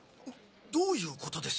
どういうことです？